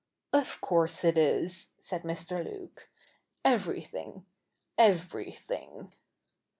'Of course it is,' said Mr. Luke, 'everything — every thing.'